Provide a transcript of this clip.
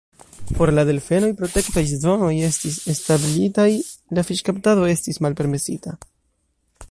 Por la delfenoj protektaj zonoj estis establitaj, la fiŝkaptado estis malpermesita.